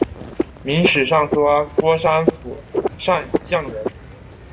明史上说郭山甫善相人。